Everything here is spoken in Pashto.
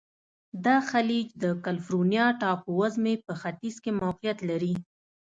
دا خلیج د کلفورنیا ټاپو وزمي په ختیځ کې موقعیت لري.